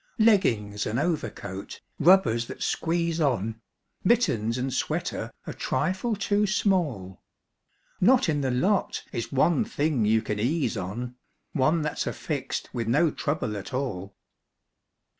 Leggings and overcoat, rubbers that squeeze on, Mittens and sweater a trifle too small; Not in the lot is one thing you can ease on, One that's affixed with no trouble at all.